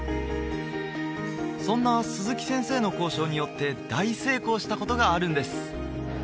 そんな鈴木先生の交渉によって大成功したことがあるんです